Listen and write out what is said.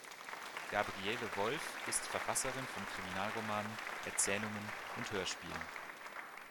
Gabriele Wolff ist Verfasserin von Kriminalromanen, -erzählungen und Hörspielen.